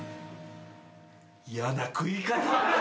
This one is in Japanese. やな食い方。